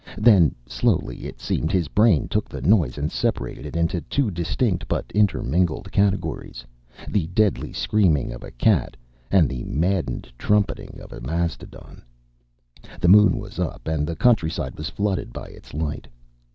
Then, slowly, it seemed his brain took the noise and separated it into two distinct but intermingled categories, the deadly screaming of a cat and the maddened trumpeting of a mastodon. The Moon was up and the countryside was flooded by its light.